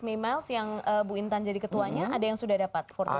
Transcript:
memiles yang bu intan jadi ketuanya ada yang sudah dapat formal